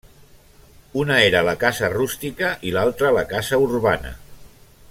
Una era la casa rústica i l'altra la casa urbana.